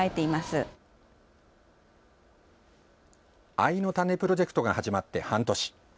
藍のたねプロジェクトが始まって半年。